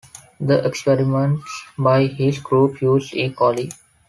The experiments by his group used "E. coli".